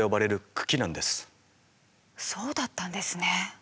そうだったんですね。